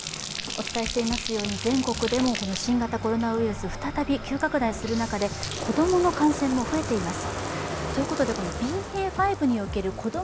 お伝えしていますように全国でも新型コロナウイルス再び急拡大する中で、子供の感染も増えています。